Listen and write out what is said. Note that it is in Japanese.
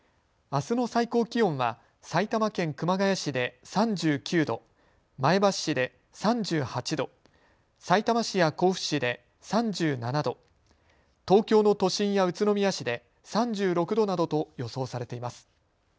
あすの最高気温は埼玉県熊谷市で３９度、前橋市で３８度、さいたま市や甲府市で３７度、東京の都心や宇都宮市で３６度などと予想されています。